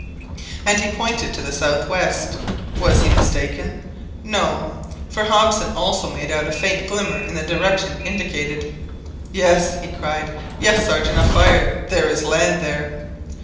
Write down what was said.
And he pointed to the south west. Was he mistaken? No, for Hobson also made out a faint glimmer in the direction indicated. "Yes!" he cried, "yes, Sergeant, a fire; there is land there!"